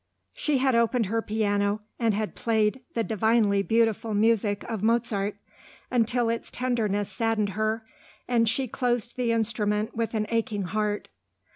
She had opened her piano, and had played the divinely beautiful music of Mozart, until its tenderness saddened her, and she closed the instrument with an aching heart.